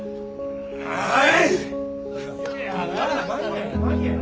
はい！